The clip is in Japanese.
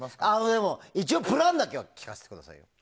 でも、一応プランだけは聞かせてほしい。